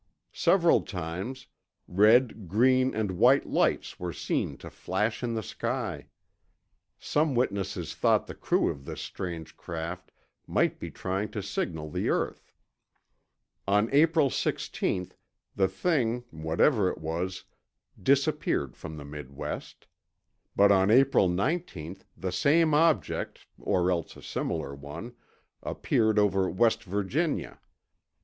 Several times, red, green, and white lights were seen to flash in the sky; some witnesses thought the crew of this strange craft might be trying to signal the earth. On April 16, the thing, whatever it was, disappeared from the Midwest. But on April 19, the same object—or else a similar one—appeared over West Virginia.